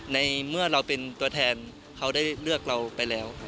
ในเมื่อเราเป็นตัวแทนเขาได้เลือกเราไปแล้ว